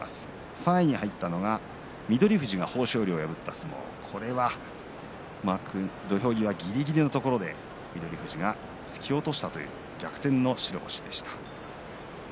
３位に入ったのが翠富士が豊昇龍を破った相撲土俵際ぎりぎりのところで翠富士が突き落としたという逆転の白星でした。